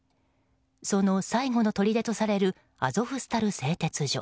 その最後の砦とされるアゾフスタル製鉄所。